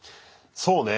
そうね。